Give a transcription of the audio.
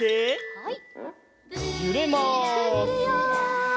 はい。